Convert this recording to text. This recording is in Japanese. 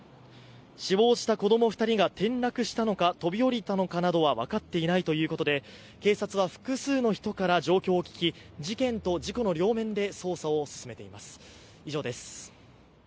死亡した子供２人が転落したのか飛び降りたのかなどは分かっていないということで警察は複数の人から状況を聞き事件と事故の両面で捜査を進めています。